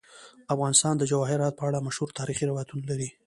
افغانستان د جواهرات په اړه مشهور تاریخی روایتونه لري.